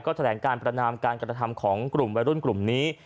แถลงการประนามการกระทำของกลุ่มวัยรุ่นกลุ่มนี้